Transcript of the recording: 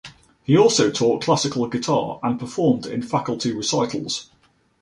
He also taught classical guitar and performed in faculty recitals.